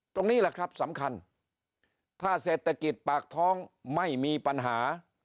ตรงนี้แหละครับสำคัญถ้าเศรษฐกิจปากท้องไม่มีปัญหา